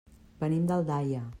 Venim d'Aldaia.